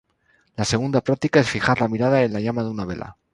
La segunda práctica es fijar la mirada en la llama de una vela.